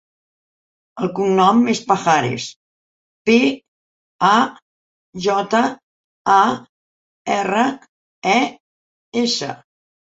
El cognom és Pajares: pe, a, jota, a, erra, e, essa.